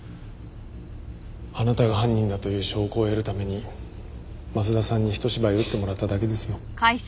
あなたが犯人だという証拠を得るために松田さんにひと芝居打ってもらっただけですよ。